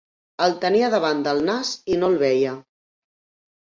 El tenia davant el nas i no el veia.